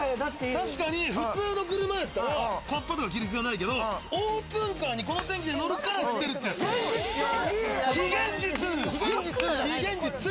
確かに普通の車やったらカッパ着る必要がないけど、オープンカーに、この天気で乗るから着てるんで非現実！